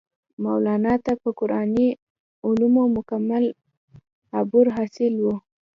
مولانا ته پۀ قرآني علومو مکمل عبور حاصل وو